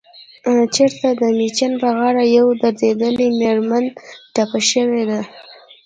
چرته دمیچن په غاړه يوه دردېدلې مېرمن ټپه شوې ده